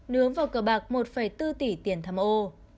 nướng vào cờ bạc một bốn tỷ tiền tham ô